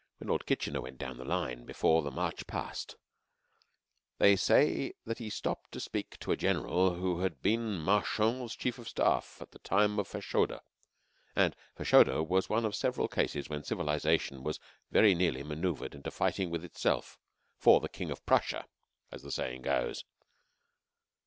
When Lord Kitchener went down the line, before the march past, they say that he stopped to speak to a General who had been Marchand's Chief of Staff at the time of Fashoda. And Fashoda was one of several cases when civilization was very nearly maneuvered into fighting with itself "for the King of Prussia," as the saying goes.